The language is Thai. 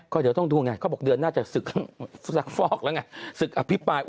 ก็เดี๋ยวต้องดูไงเขาบอกเดือนหน้าจะศึกสักฟอกแล้วไงศึกอภิปราย